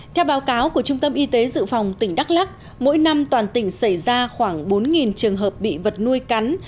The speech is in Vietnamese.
theo báo cáo của trung tâm y tế dự phòng tỉnh đắk lắc mỗi năm toàn tỉnh xảy ra khoảng bốn trường hợp bị vật nuôi cắn